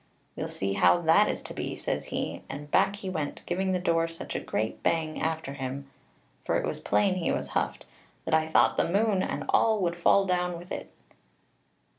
'We'll see how that is to be,' says he; and back he went, giving the door such a great bang after him (for it was plain he was huffed) that I thought the moon and all would fall down with it.